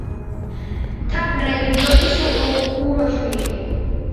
მთარგმნელი: გიორგი ხუროშვილი.